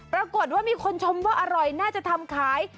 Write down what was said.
ปรากฏว่ามีคนชมว่าอร่อยน่าจะทำขาย